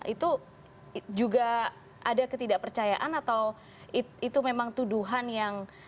itu juga ada ketidakpercayaan atau itu memang tuduhan yang